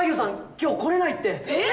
今日来れないってえっ！？